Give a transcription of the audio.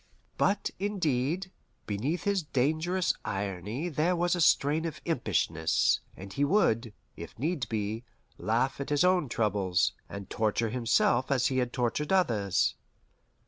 But, indeed, beneath his dangerous irony there was a strain of impishness, and he would, if need be, laugh at his own troubles, and torture himself as he had tortured others.